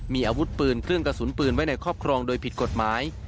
มีอาวุธปืนเครื่องกระสุนปืนไว้ในครอบครองโดยผิดกฎหมาย